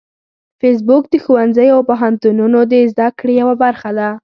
فېسبوک د ښوونځیو او پوهنتونونو د زده کړې یوه برخه ده